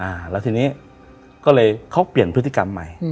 อ่าแล้วทีนี้ก็เลยเขาเปลี่ยนพฤติกรรมใหม่